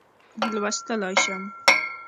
لوستلای شم.